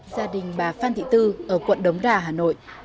gia đình bà phan thị tư ở quận đống đà hà nội